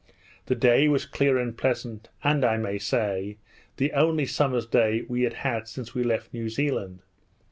The day was clear and pleasant, and I may say, the only summer's day we had had since we left New Zealand.